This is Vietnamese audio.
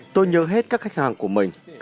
tôi nhớ hết các khách hàng của mình